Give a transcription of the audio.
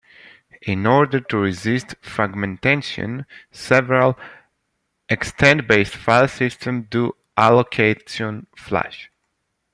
In order to resist fragmentation, several extent-based file systems do allocate-on-flush.